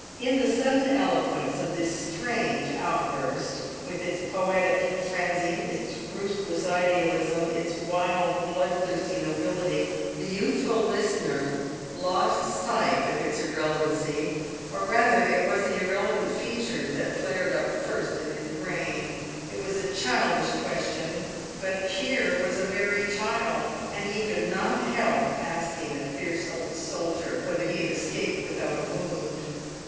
In the sudden eloquence of this strange outburst, with its poetic frenzy, its ruthless idealism, its wild bloodthirsty nobility, the youthful listener lost sight of its irrelevancy, or rather it was the irrevelant features that flared up first in his brain. It was a childish question, but here was a very child, and he could not help asking the fierce old soldier whether he had escaped without a wound.